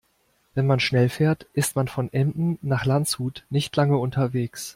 Wenn man schnell fährt, ist man von Emden nach Landshut nicht lange unterwegs